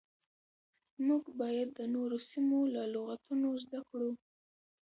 موږ بايد د نورو سيمو له لغتونو زده کړو.